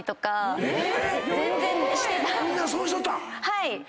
はい。